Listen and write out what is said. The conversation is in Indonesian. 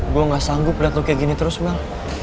gue gak sanggup lihat lo kayak gini terus mel